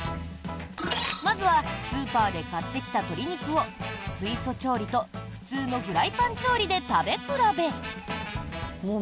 まずはスーパーで買ってきた鶏肉を水素調理と普通のフライパン調理で食べ比べ。